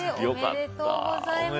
ありがとうございます。